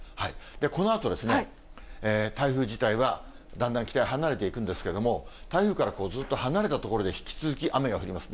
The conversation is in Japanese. このあとですね、台風自体はだんだん北へ離れていくんですけれども、台風からずっと離れた所で引き続き雨が降ります。